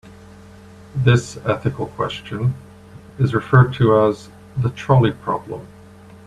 This ethical question is referred to as the trolley problem.